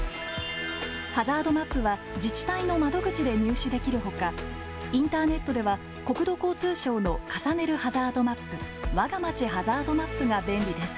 ハザードマップは、自治体の窓口で入手できるほか、インターネットでは、国土交通省の重ねるハザードマップ、わがまちハザードマップが便利です。